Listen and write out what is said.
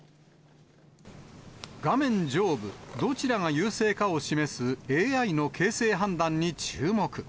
画面上部、どちらが優勢かを示すＡＩの形勢判断に注目。